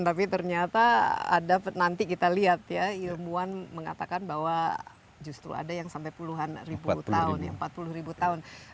tapi ternyata ada nanti kita lihat ya ilmuwan mengatakan bahwa justru ada yang sampai puluhan ribu tahun ya empat puluh ribu tahun